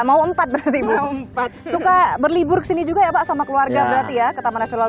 mau empat berarti mau empat suka berlibur kesini juga ya pak sama keluarga berarti ya ke taman nasional